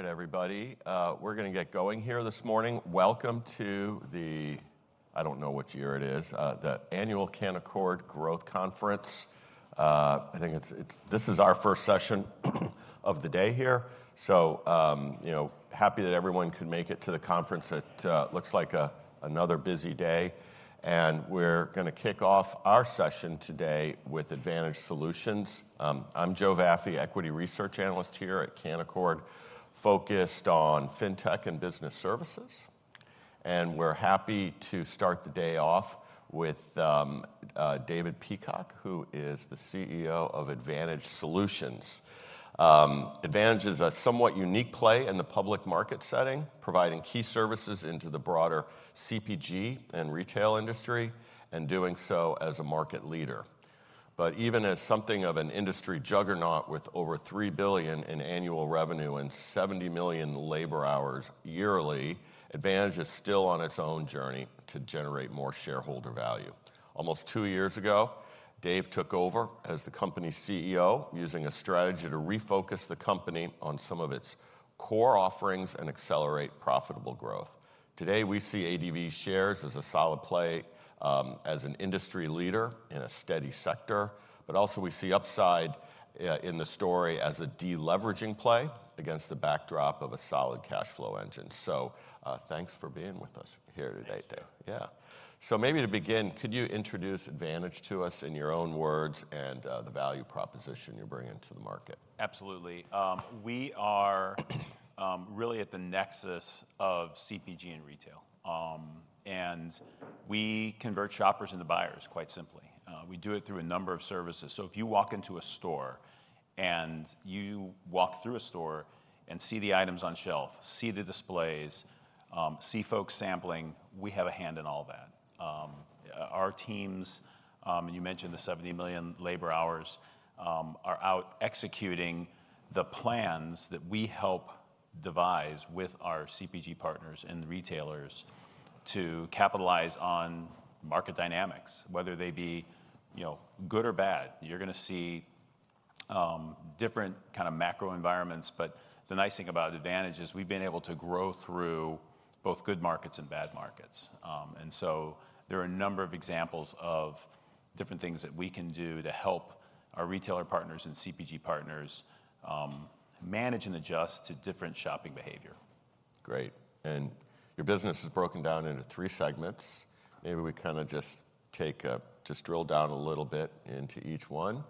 All right, everybody, we're gonna get going here this morning. Welcome to the, I don't know what year it is, the Annual Canaccord Growth Conference. I think this is our first session of the day here. So, you know, happy that everyone could make it to the conference. It looks like another busy day, and we're gonna kick off our session today with Advantage Solutions. I'm Joe Vafi, Equity Research Analyst here at Canaccord, focused on fintech and business services. And we're happy to start the day off with David Peacock, who is the CEO of Advantage Solutions. Advantage is a somewhat unique play in the public market setting, providing key services into the broader CPG and retail industry, and doing so as a market leader. But even as something of an industry juggernaut, with over $3 billion in annual revenue and 70 million labor hours yearly, Advantage is still on its own journey to generate more shareholder value. Almost two years ago, Dave took over as the company's CEO, using a strategy to refocus the company on some of its core offerings and accelerate profitable growth. Today, we see ADV shares as a solid play, as an industry leader in a steady sector, but also we see upside in the story as a deleveraging play against the backdrop of a solid cash flow engine. So, thanks for being with us here today, Dave. Thanks, Joe. Yeah. So maybe to begin, could you introduce Advantage to us in your own words and the value proposition you're bringing to the market? Absolutely. We are really at the nexus of CPG and retail. And we convert shoppers into buyers, quite simply. We do it through a number of services. So if you walk into a store, and you walk through a store and see the items on shelf, see the displays, see folks sampling, we have a hand in all that. Our teams, and you mentioned the 70 million labor hours, are out executing the plans that we help devise with our CPG partners and the retailers to capitalize on market dynamics, whether they be, you know, good or bad. You're gonna see different kind of macro environments, but the nice thing about Advantage is we've been able to grow through both good markets and bad markets and so there are a number of examples of different things that we can do to help our retailer partners and CPG partners, manage and adjust to different shopping behavior. Great. And your business is broken down into three segments. Maybe we kind of just drill down a little bit into each one.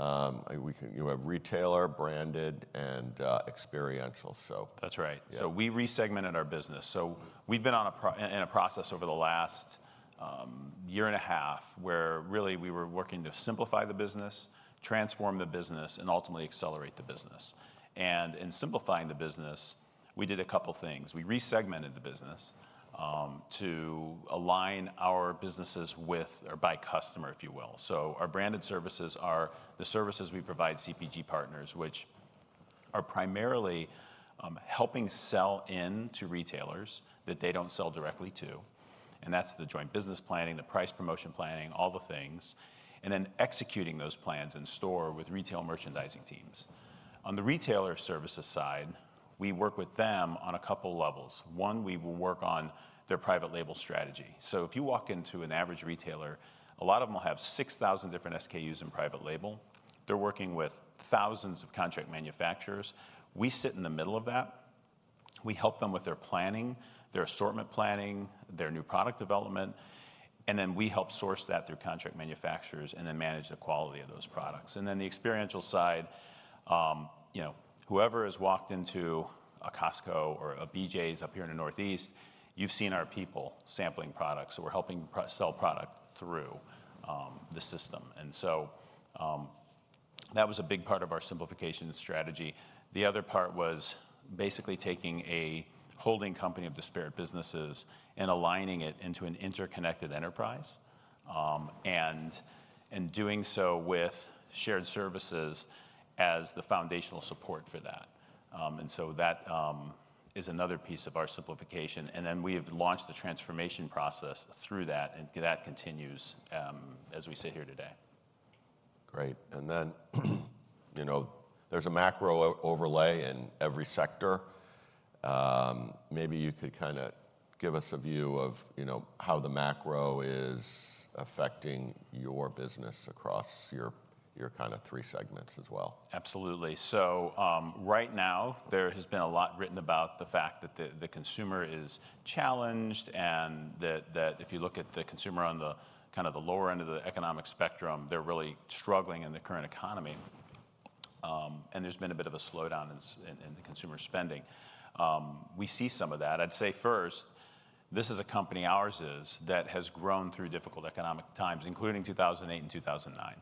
We can—you have Retailer, Branded, and Experiential, so- That's right. So we re-segmented our business. So we've been in a process over the last year and a half, where really, we were working to simplify the business, transform the business, and ultimately accelerate the business. And in simplifying the business, we did a couple things. We re-segmented the business to align our businesses with or by customer, if you will. So our Branded Services are the services we provide CPG partners, which are primarily helping sell in to retailers that they don't sell directly to, and that's the joint business planning, the price promotion planning, all the things, and then executing those plans in-store with retail merchandising teams. On the Retailer Services side, we work with them on a couple levels. One, we will work on their private label strategy. So if you walk into an average retailer, a lot of them will have 6,000 different SKUs in private label. They're working with thousands of contract manufacturers. We sit in the middle of that. We help them with their planning, their assortment planning, their new product development, and then we help source that through contract manufacturers and then manage the quality of those products. And then the experiential side, you know, whoever has walked into a Costco or a BJ's up here in the Northeast, you've seen our people sampling products. So we're helping sell product through the system. And so, that was a big part of our simplification strategy. The other part was basically taking a holding company of disparate businesses and aligning it into an interconnected enterprise, and doing so with shared services as the foundational support for that. And so that is another piece of our simplification. And then we have launched the transformation process through that, and that continues as we sit here today. Great. And then, you know, there's a macro overlay in every sector. Maybe you could kind of give us a view of, you know, how the macro is affecting your business across your, your kind of three segments as well. Absolutely. So, right now, there has been a lot written about the fact that the consumer is challenged, and that if you look at the consumer on the kind of the lower end of the economic spectrum, they're really struggling in the current economy. And there's been a bit of a slowdown in the consumer spending. We see some of that. I'd say first, this is a company, ours is, that has grown through difficult economic times, including 2008 and 2009.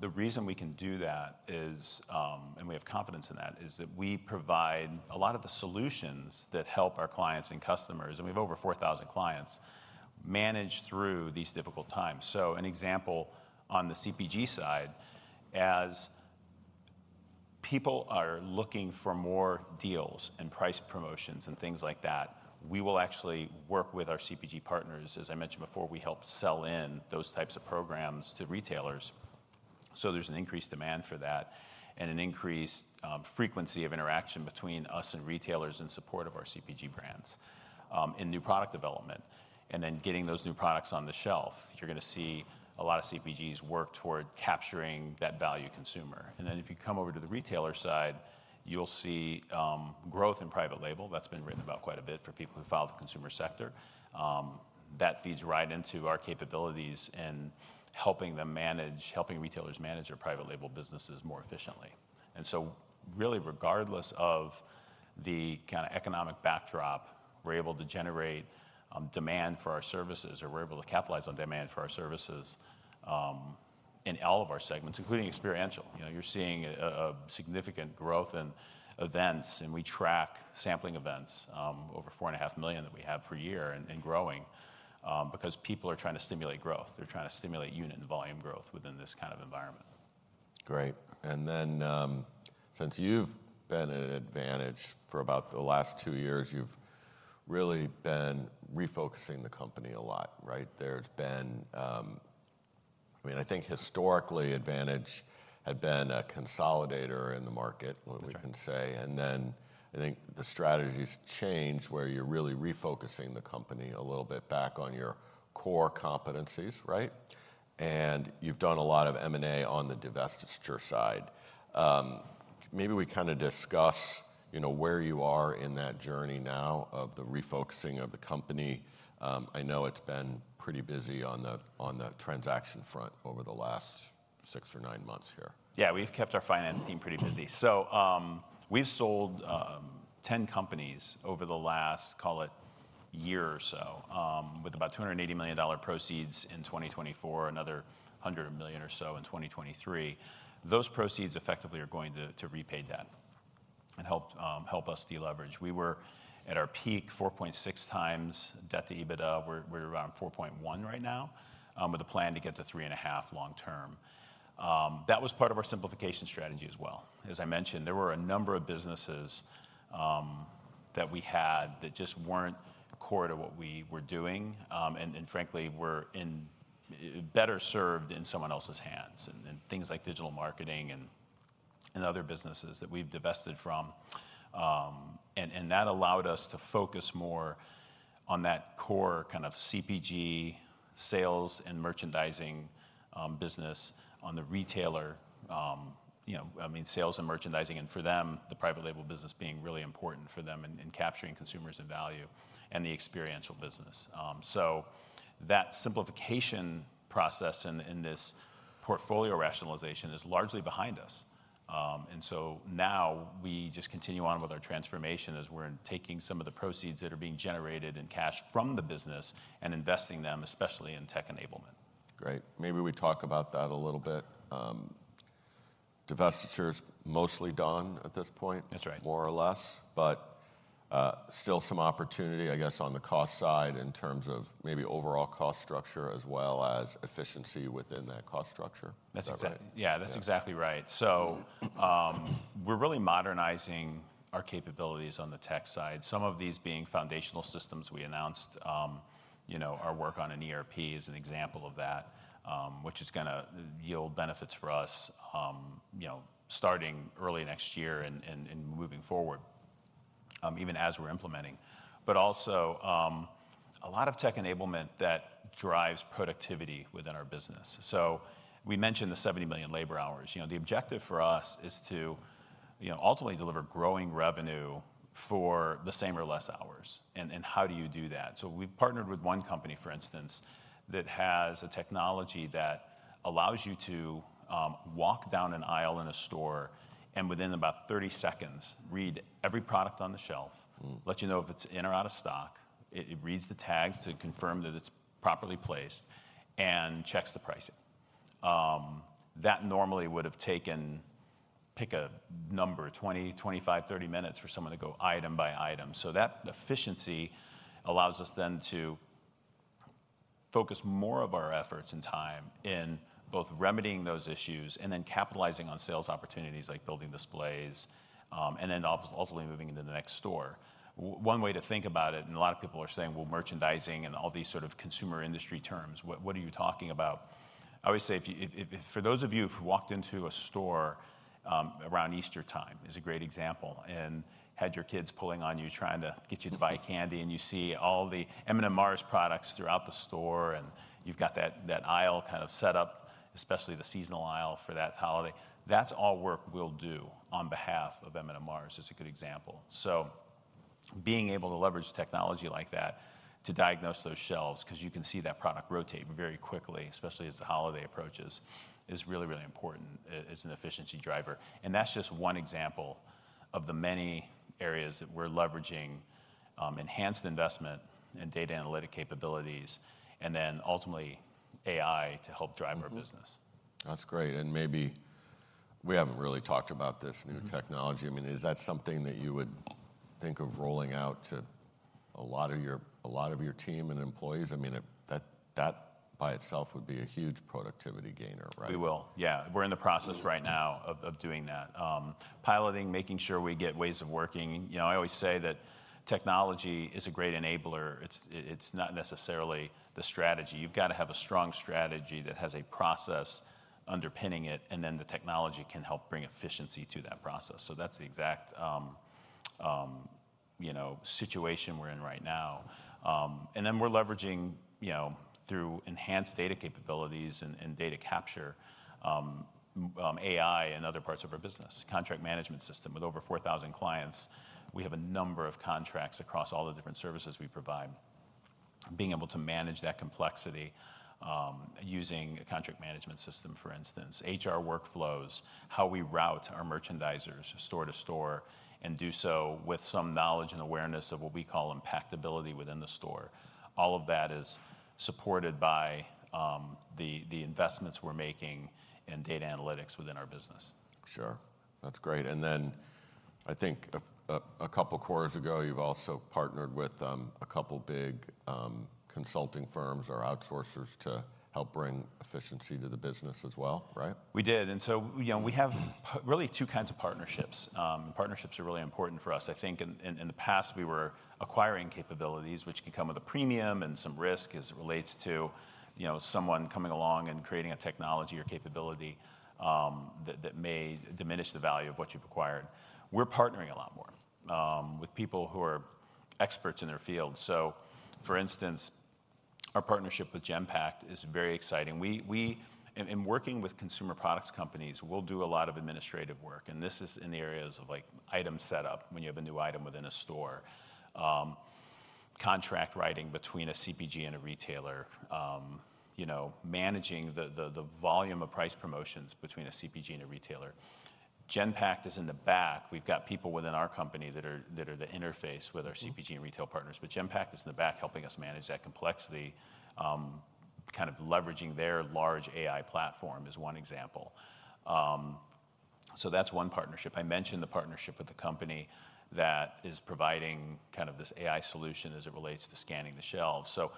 The reason we can do that is, and we have confidence in that, is that we provide a lot of the solutions that help our clients and customers, and we have over 4,000 clients, manage through these difficult times. An example on the CPG side, as people are looking for more deals and price promotions and things like that, we will actually work with our CPG partners. As I mentioned before, we help sell in those types of programs to retailers. So there's an increased demand for that and an increased frequency of interaction between us and retailers in support of our CPG brands, in new product development, and then getting those new products on the shelf. You're gonna see a lot of CPGs work toward capturing that value consumer. Then if you come over to the retailer side, you'll see growth in private label. That's been written about quite a bit for people who follow the consumer sector. That feeds right into our capabilities in helping them manage, helping retailers manage their private label businesses more efficiently. Really, regardless of the kinda economic backdrop, we're able to generate demand for our services, or we're able to capitalize on demand for our services, in all of our segments, including experiential. You know, you're seeing a significant growth in events, and we track sampling events, over 4.5 million that we have per year and growing, because people are trying to stimulate growth. They're trying to stimulate unit and volume growth within this kind of environment. Great. And then, since you've been at Advantage for about the last two years, you've really been refocusing the company a lot, right? There's been, I mean, I think historically, Advantage had been a consolidator in the market- That's right. As we can say. Then, I think the strategy's changed, where you're really refocusing the company a little bit back on your core competencies, right? And you've done a lot of M&A on the divestiture side. Maybe we kinda discuss, you know, where you are in that journey now of the refocusing of the company. I know it's been pretty busy on the transaction front over the last 6 or 9 months here. Yeah, we've kept our finance team pretty busy. So, we've sold ten companies over the last, call it, year or so, with about $280 million dollar proceeds in 2024, another $100 million or so in 2023. Those proceeds effectively are going to repay debt and help us deleverage. We were at our peak 4.6x debt to EBITDA. We're around 4.1 right now, with a plan to get to 3.5 long-term. That was part of our simplification strategy as well. As I mentioned, there were a number of businesses that we had that just weren't core to what we were doing, and frankly, were better served in someone else's hands, and things like digital marketing and other businesses that we've divested from. And that allowed us to focus more on that core kind of CPG sales and merchandising business on the retailer, you know, I mean, sales and merchandising, and for them, the private label business being really important for them in capturing consumers and value and the experiential business. So that simplification process and this portfolio rationalization is largely behind us. And so now we just continue on with our transformation as we're taking some of the proceeds that are being generated in cash from the business and investing them, especially in tech enablement. Great. Maybe we talk about that a little bit. Divestiture's mostly done at this point- That's right. More or less, but still some opportunity, I guess, on the cost side in terms of maybe overall cost structure as well as efficiency within that cost structure. Is that right? Yeah, that's exactly right. So, we're really modernizing our capabilities on the tech side. Some of these being foundational systems we announced. You know, our work on an ERP is an example of that, which is gonna yield benefits for us, you know, starting early next year and moving forward, even as we're implementing. But also, a lot of tech enablement that drives productivity within our business. So we mentioned the 70 million labor hours. You know, the objective for us is to, you know, ultimately deliver growing revenue for the same or less hours. And how do you do that? So we've partnered with one company, for instance, that has a technology that allows you to walk down an aisle in a store and within about 30 seconds, read every product on the shelf -let you know if it's in or out of stock, it, it reads the tags to confirm that it's properly placed, and checks the pricing. That normally would have taken, pick a number, 20, 25, 30 minutes for someone to go item by item. So that efficiency allows us then to focus more of our efforts and time in both remedying those issues and then capitalizing on sales opportunities, like building displays, ultimately moving into the next store. One way to think about it, and a lot of people are saying, "Well, merchandising and all these sort of consumer industry terms, what, what are you talking about?" I always say, if you, if for those of you've walked into a store around Easter time is a great example, and had your kids pulling on you, trying to get you to buy candy, and you see all the M&M Mars products throughout the store, and you've got that, that aisle kind of set up, especially the seasonal aisle for that holiday. That's all work we'll do on behalf of M&M Mars, is a good example. So being able to leverage technology like that to diagnose those shelves, 'cause you can see that product rotate very quickly, especially as the holiday approaches, is really, really important as an efficiency driver. That's just one example of the many areas that we're leveraging enhanced investment and data analytic capabilities, and then ultimately, AI to help drive our business. That's great. Maybe we haven't really talked about this new technology. I mean, is that something that you would think of rolling out to a lot of your team and employees? I mean, if that by itself would be a huge productivity gainer, right? We will. Yeah. We're in the process right now of doing that. Piloting, making sure we get ways of working. You know, I always say that technology is a great enabler. It's not necessarily the strategy. You've got to have a strong strategy that has a process underpinning it, and then the technology can help bring efficiency to that process. So that's the exact, you know, situation we're in right now. And then we're leveraging, you know, through enhanced data capabilities and data capture, AI in other parts of our business. Contract management system, with over 4,000 clients, we have a number of contracts across all the different services we provide. Being able to manage that complexity, using a contract management system, for instance. HR workflows, how we route our merchandisers store to store, and do so with some knowledge and awareness of what we call impactability within the store. All of that is supported by the investments we're making in data analytics within our business. Sure. That's great. And then, I think, you've also partnered with a couple big consulting firms or outsourcers to help bring efficiency to the business as well, right? We did. And so, you know, we have really two kinds of partnerships. Partnerships are really important for us. I think in the past, we were acquiring capabilities, which can come with a premium and some risk as it relates to, you know, someone coming along and creating a technology or capability, that may diminish the value of what you've acquired. We're partnering a lot more with people who are experts in their field. So, for instance, our partnership with Genpact is very exciting. In working with consumer products companies, we'll do a lot of administrative work, and this is in the areas of, like, item setup, when you have a new item within a store, contract writing between a CPG and a retailer, you know, managing the volume of price promotions between a CPG and a retailer. Genpact is in the back. We've got people within our company that are the interface with our CPG and retail partners, but Genpact is in the back, helping us manage that complexity, kind of leveraging their large AI platform is one example. So that's one partnership. I mentioned the partnership with the company that is providing kind of this AI solution as it relates to scanning the shelves. So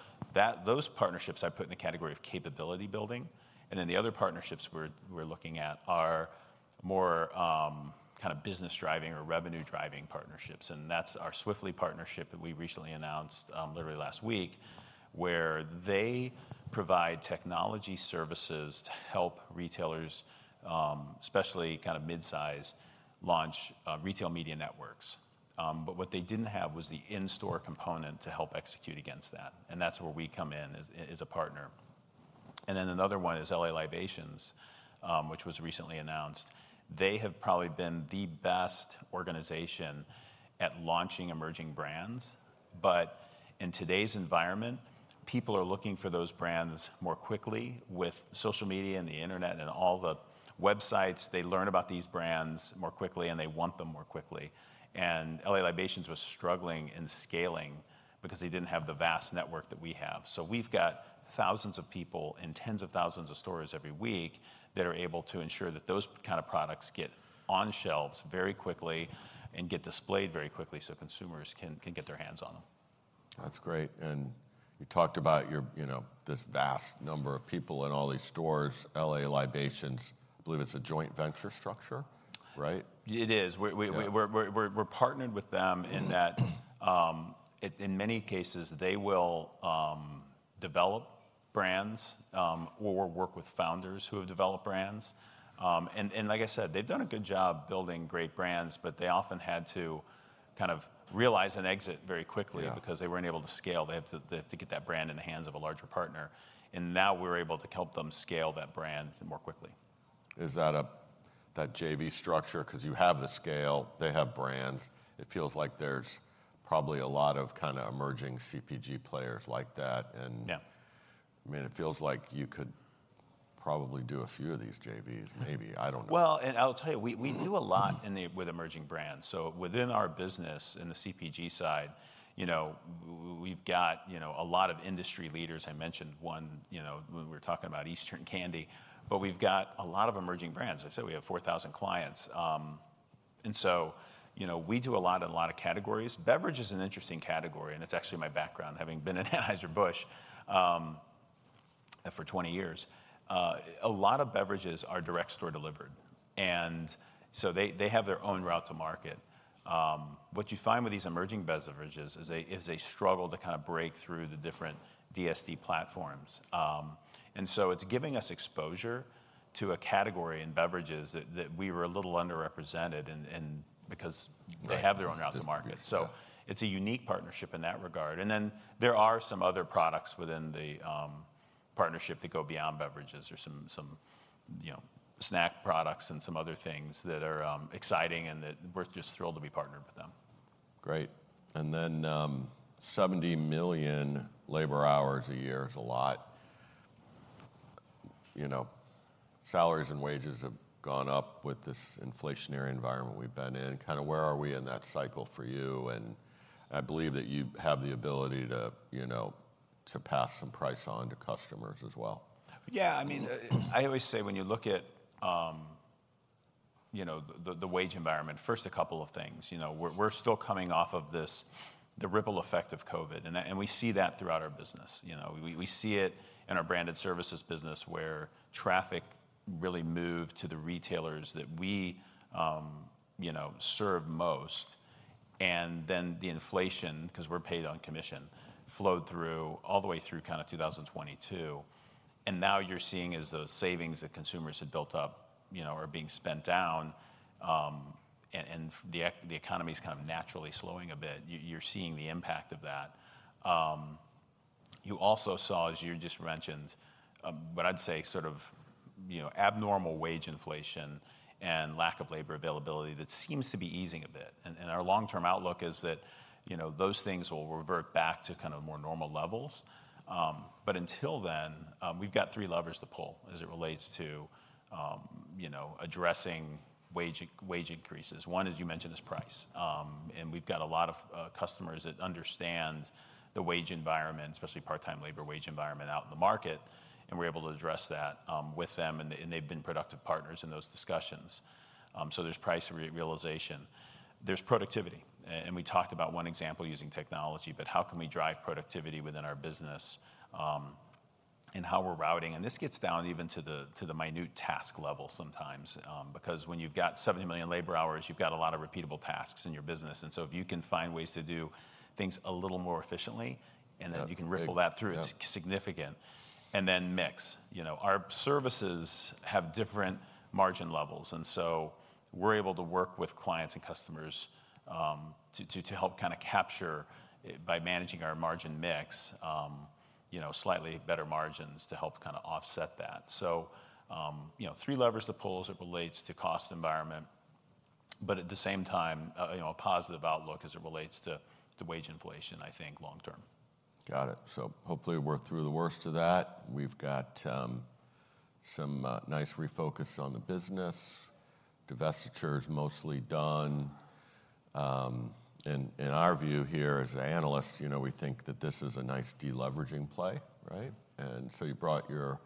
those partnerships I put in the category of capability building, and then the other partnerships we're looking at are more, kind of business-driving or revenue-driving partnerships, and that's our Swiftly partnership that we recently announced, literally last week, where they provide technology services to help retailers, especially kind of midsize, launch retail media networks. But what they didn't have was the in-store component to help execute against that, and that's where we come in as a partner. And then another one is L.A. Libations, which was recently announced. They have probably been the best organization at launching emerging brands. But in today's environment, people are looking for those brands more quickly. With social media and the internet and all the websites, they learn about these brands more quickly, and they want them more quickly. L.A. Libations was struggling in scaling because they didn't have the vast network that we have. So we've got thousands of people in tens of thousands of stores every week that are able to ensure that those kind of products get on shelves very quickly and get displayed very quickly, so consumers can, can get their hands on them. That's great. And you talked about your, you know, this vast number of people in all these stores, L.A. Libations, I believe it's a joint venture structure, right? It is. We're partnered with them. In many cases, they will develop brands or work with founders who have developed brands. And like I said, they've done a good job building great brands, but they often had to kind of realize and exit very quickly because they weren't able to scale. They have to, they have to get that brand in the hands of a larger partner, and now we're able to help them scale that brand more quickly. Is that a, that JV structure? 'Cause you have the scale, they have brands. It feels like there's probably a lot of kind of emerging CPG players like that, and, I mean, it feels like you could probably do a few of these JVs, maybe. I don't know. Well, and I'll tell you, we do a lot in the—with emerging brands. So within our business, in the CPG side, you know, we've got, you know, a lot of industry leaders. I mentioned one, you know, when we were talking about Easter candy, but we've got a lot of emerging brands. I said we have 4,000 clients, and so, you know, we do a lot in a lot of categories. Beverage is an interesting category, and it's actually my background, having been at Anheuser-Busch, for 20 years. A lot of beverages are direct store delivered, and so they have their own route to market. What you find with these emerging beverages is they struggle to kind of break through the different DSD platforms, and so it's giving us exposure to a category in beverages that we were a little underrepresented in, because they have their own route to market. Yeah. It's a unique partnership in that regard. And then there are some other products within the partnership that go beyond beverages or some, you know, snack products and some other things that are exciting, and that we're just thrilled to be partnered with them. Great. And then, 70 million labor hours a year is a lot. You know, salaries and wages have gone up with this inflationary environment we've been in. Kind of where are we in that cycle for you? And I believe that you have the ability to, you know, to pass some price on to customers as well. Yeah, I mean, I always say when you look at, you know, the wage environment, first, a couple of things, you know, we're still coming off of this, the ripple effect of COVID, and we see that throughout our business. You know, we see it in our Branded Services business where traffic really moved to the retailers that we, you know, serve most. And then the inflation, 'cause we're paid on commission, flowed through, all the way through kind of 2022. And now you're seeing as those savings that consumers had built up, you know, are being spent down, and the economy's kind of naturally slowing a bit. You're seeing the impact of that. You also saw, as you just mentioned, what I'd say sort of, you know, abnormal wage inflation and lack of labor availability, that seems to be easing a bit. And our long-term outlook is that, you know, those things will revert back to kind of more normal levels. But until then, we've got three levers to pull as it relates to, you know, addressing wage increases. One, as you mentioned, is price. And we've got a lot of, customers that understand the wage environment, especially part-time labor wage environment out in the market, and we're able to address that, with them, and they, they've been productive partners in those discussions. So there's price realization. There's productivity, and we talked about one example using technology, but how can we drive productivity within our business, and how we're routing? And this gets down even to the minute task level sometimes, because when you've got 70 million labor hours, you've got a lot of repeatable tasks in your business. And so if you can find ways to do things a little more efficiently, and then- Yeah, big- You can ripple that through, it's significant. And then mix. You know, our services have different margin levels, and so we're able to work with clients and customers, to help kind of capture, by managing our margin mix, you know, slightly better margins to help kind of offset that. So, you know, three levers to pull as it relates to cost environment, but at the same time, you know, a positive outlook as it relates to wage inflation, I think, long term. Got it. So hopefully, we're through the worst of that. We've got some nice refocus on the business. Divestiture is mostly done. And in our view here, as analysts, you know, we think that this is a nice deleveraging play, right? And so you brought your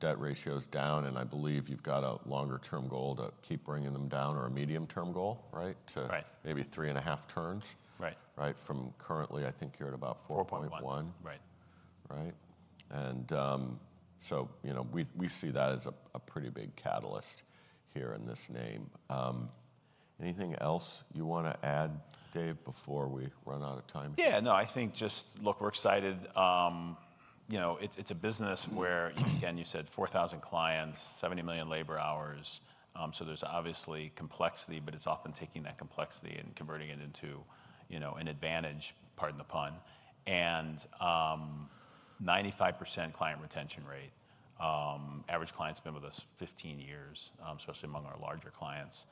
debt ratios down, and I believe you've got a longer-term goal to keep bringing them down or a medium-term goal, right? Right. To maybe 3.5 turns. Right. Right, from currently, I think you're at about- 4.1. 4.1. Right. Right. You know, we see that as a pretty big catalyst here in this name. Anything else you want to add, Dave, before we run out of time? Yeah, no, I think just, look, we're excited. You know, it's a business where, again, you said 4,000 clients, 70 million labor hours. So there's obviously complexity, but it's often taking that complexity and converting it into, you know, an advantage, pardon the pun. And 95% client retention rate. Average client's been with us 15 years, especially among our larger clients.